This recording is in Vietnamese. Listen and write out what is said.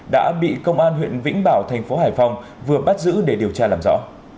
đã bị công an huyện vĩnh bảo thành phố hải phòng vừa bắt giữ để điều tra làm rõ